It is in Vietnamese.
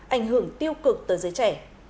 ảnh hưởng tiêu cực tới giới trẻ